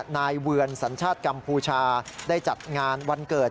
นายเวือนสัญชาติกัมพูชาได้จัดงานวันเกิด